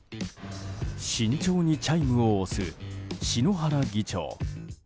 慎重にチャイムを押す篠原議長。